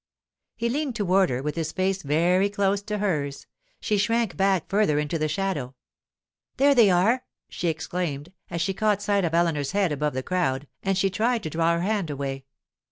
He leaned toward her, with his face very close to hers. She shrank back further into the shadow. 'There they are!' she exclaimed, as she caught sight of Eleanor's head above the crowd, and she tried to draw her hand away.